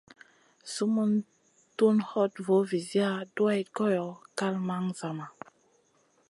Sumun tun hoɗ voo viziya duwayd goyo, kal man zama.